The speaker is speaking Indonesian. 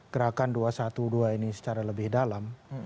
gerakan dua ratus dua belas ini secara lebih dalam